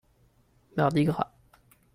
Mardi gras.